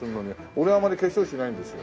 俺あまり化粧しないんですよ。